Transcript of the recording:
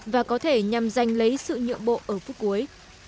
và có thể nhằm giành lấy sự nhượng bộ ở phút cuối